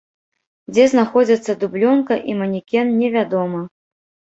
Дзе знаходзяцца дублёнка і манекен, невядома.